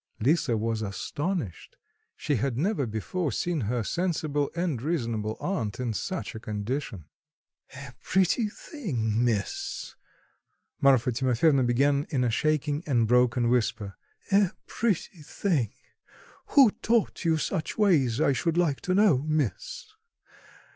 Lisa was astonished; she had never before seen her sensible and reasonable aunt in such a condition. "A pretty thing, miss," Marfa Timofyevna began in a shaking and broken whisper, "a pretty thing! Who taught you such ways, I should like to know, miss?...